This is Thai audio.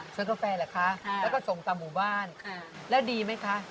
กาแฟเหรอคะแล้วก็ส่งตามหมู่บ้านแล้วดีไหมคะ